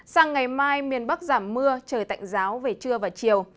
sang ngày mai miền bắc giảm mưa trời tạnh giáo về trưa và chiều